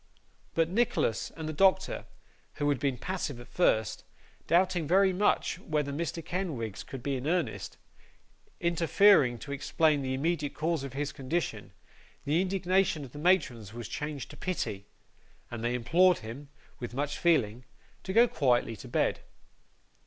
But, Nicholas and the doctor who had been passive at first, doubting very much whether Mr. Kenwigs could be in earnest interfering to explain the immediate cause of his condition, the indignation of the matrons was changed to pity, and they implored him, with much feeling, to go quietly to bed.